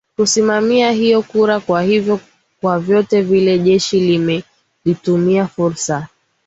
kusimamia hiyo kura kwa hivyo kwa vyote vile jeshi lime limetumia fursa